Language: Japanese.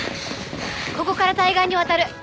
ここから対岸に渡る。